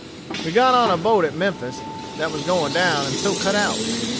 We got on a boat at Memphis, that was going down, and so cut out.